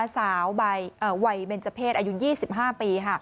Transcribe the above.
สาววัยเมลจเผชอายุ๒๕ปี